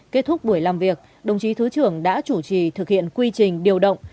kết thúc buổi làm việc đồng chí thứ trưởng đã chủ trì thực hiện quy trình điều động